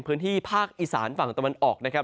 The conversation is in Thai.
พื้นที่ภาคอีสานฝั่งตะวันออกนะครับ